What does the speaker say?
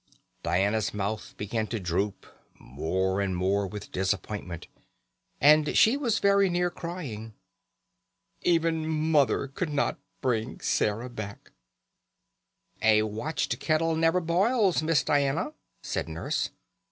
Diana's mouth began to droop more and more with disappointment, and she was very near crying. Even Mother could not bring Sarah back! "A watched kettle never boils, Miss Diana," said Nurse.